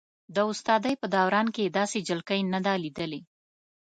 د استادۍ په دوران کې یې داسې جلکۍ نه ده لیدلې.